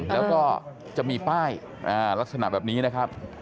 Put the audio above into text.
แล้วก็จะมีป้ายลักษณะแบบนี้นะครับ